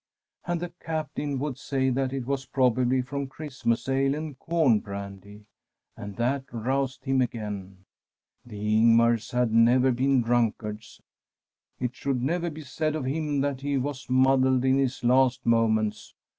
' And the Captain would say that it was probably from Christmas ale and corn brandy. And that roused him again. The Ingmars had never been drunkards. It should never be said of him that he was muddled in his last moments.